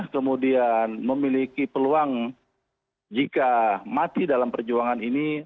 kemudian memiliki peluang jika mati dalam perjuangan ini